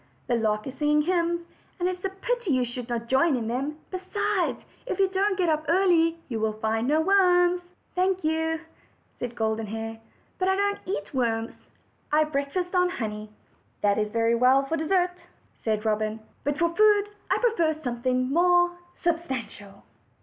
The lark is sing ing hymns, and it is a pity you should not join in them; besides, if you don't get up early you will find no worms." "Thank you," said Goluen Hair, "but I don't eat worms; I breakfast on honey." "That's very well for dessert," said Robin; "but for food I prefer something more substantial."